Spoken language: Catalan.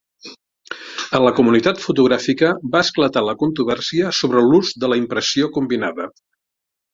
A la comunitat fotogràfica va esclatar la controvèrsia sobre l'ús de la impressió combinada.